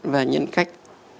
và nhân cách